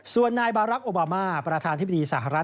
ส่วนนายบารักษ์โอบามาประธานธิบดีสหรัฐ